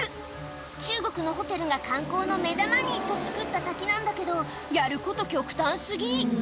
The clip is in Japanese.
中国のホテルが観光の目玉にと作った滝なんだけどやること極端過ぎ